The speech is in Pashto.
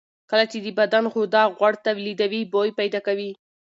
کله چې د بدن غده غوړ تولیدوي، بوی پیدا کېږي.